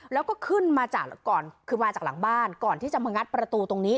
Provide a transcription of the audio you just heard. แล้วก็ขึ้นมาจากก่อนคือมาจากหลังบ้านก่อนที่จะมางัดประตูตรงนี้